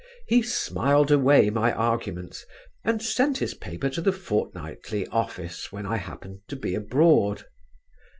He smiled away my arguments, and sent his paper to the Fortnightly office when I happened to be abroad.